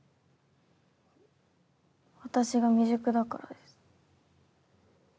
私が未熟だからです。